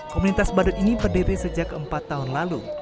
komunitas badut ini berdiri sejak empat tahun lalu